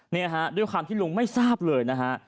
เนี่ยฮะด้วยความที่ลุงไม่ทราบเลยนะฮะ